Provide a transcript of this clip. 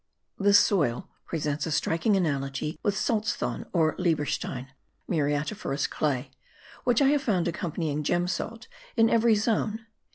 This soil presents a striking analogy with salzthon or leberstein (muriatiferous clay) which I have found accompanying gem salt in every zone.